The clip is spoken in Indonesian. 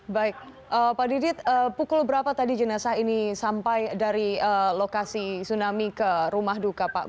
baik pak didit pukul berapa tadi jenazah ini sampai dari lokasi tsunami ke rumah duka pak